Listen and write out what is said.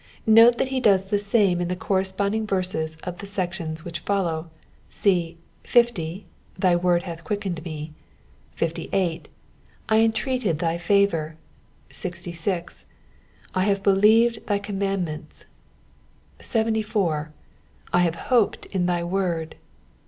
Note that he does the same in the corresponding verses of the sections which follow. See 50, *' Thy word hath quickened me" ; 68, I entreated thy favour" ; 66, "I have believed thy commandments" ; 74, "I have hoped in thy word."